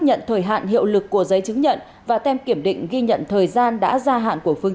nhận thời hạn hiệu lực của giấy chứng nhận và tem kiểm định ghi nhận thời gian đã gia hạn của phương